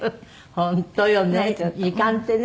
本当よね。